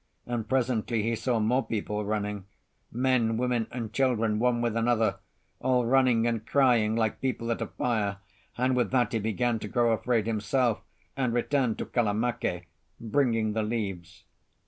And presently he saw more people running—men, women and children, one with another, all running and crying like people at a fire. And with that he began to grow afraid himself, and returned to Kalamake bringing the leaves.